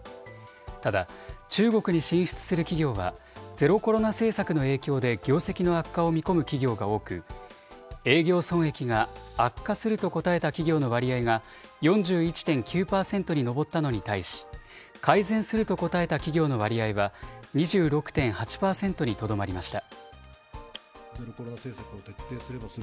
ただ、中国に進出する企業は、ゼロコロナ政策の影響で業績を悪化を見込む企業が多く、営業損益が悪化すると答えた企業の割合が４１．９％に上ったのに対し、改善すると答えた企業の割合は、２６．８％にとどまりました。